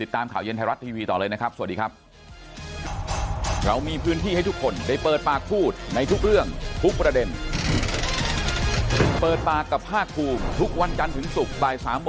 ตามข่าวเย็นไทยรัฐทีวีต่อเลยนะครับสวัสดีครับ